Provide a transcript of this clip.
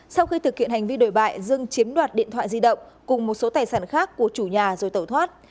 sau khi thực hiện hành vi đổi bại dương chiếm đoạt điện thoại di động cùng một số tài sản khác của chủ nhà rồi tẩu thoát